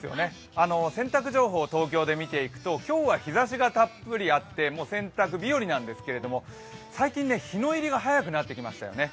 洗濯情報、東京で見ていくと、今日は日ざしがたっぷりあって洗濯日和なんですけど最近、日の入りが早くなってきましたよね。